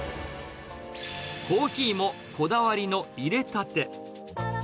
コーヒーもこだわりの入れたて。